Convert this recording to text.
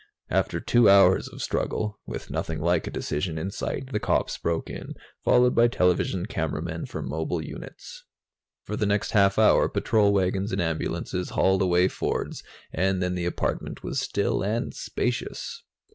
After two hours of struggle, with nothing like a decision in sight, the cops broke in, followed by television cameramen from mobile units. For the next half hour, patrol wagons and ambulances hauled away Fords, and then the apartment was still and spacious.